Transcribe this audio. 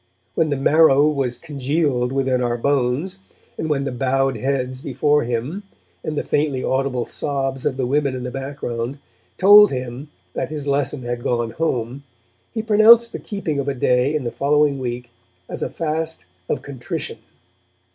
When the marrow was congealed within our bones, and when the bowed heads before him, and the faintly audible sobs of the women in the background, told him that his lesson had gone home, he pronounced the keeping of a day in the following week as a fast of contrition.